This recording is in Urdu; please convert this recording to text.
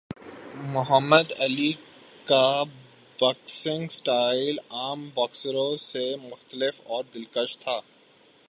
محمد علی کا باکسنگ سٹائل عام باکسروں سے مختلف اور دلکش تھا